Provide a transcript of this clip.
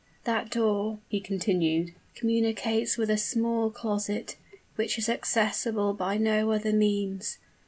That door," he continued, "communicates with a small closet, which is accessible by no other means.